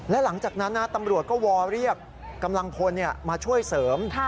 และหลังจากนั้นตำรวจก็วอเรียกกำลังพลมาช่วยเสริม